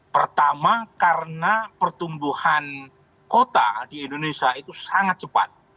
pertama karena pertumbuhan kota di indonesia itu sangat cepat